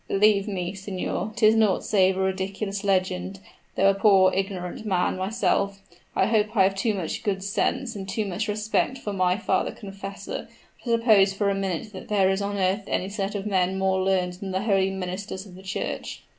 Believe me, signor, 'tis naught save a ridiculous legend; though a poor, ignorant man myself, I hope I have too much good sense and too much respect for my father confessor, to suppose for a minute that there is on earth any set of men more learned than the holy ministers of the church."